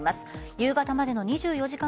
夕方までの２４時間